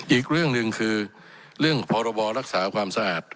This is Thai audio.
อีกเรื่องหนึ่งคือเรื่องพรบรักษาความสะอาด